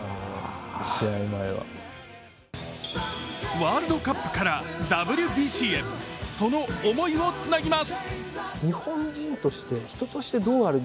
ワールドカップからＷＢＣへ、その思いをつなぎます。